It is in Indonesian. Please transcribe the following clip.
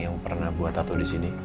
yang pernah buat tato di sini